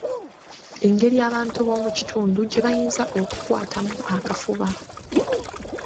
Engeri abantu b’omu kitundu gye bayinza okukwatamu akafuba.